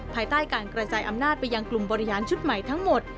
ภายใต้การกระจายอำนาจไปยังกลุ่มบริหารชุดใหม่ทั้งหมด